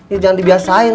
ya jangan dibiasain